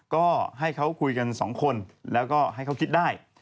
ก็ให้เขาคุยกันสองคนแล้วก็ให้เขาคิดได้